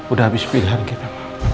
udah abis pilihan kita